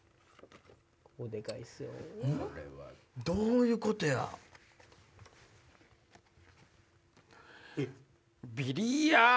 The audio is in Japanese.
どういうことや？